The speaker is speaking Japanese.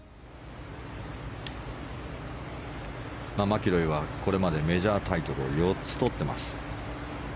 マキロイはこれまでメジャータイトルを４つ取っています。